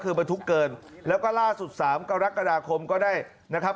คือบรรทุกเกินแล้วก็ล่าสุดสามกรกฎาคมก็ได้นะครับ